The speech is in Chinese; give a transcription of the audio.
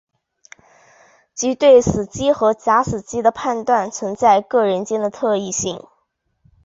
即对死机和假死机的判断存在各人间的特异性。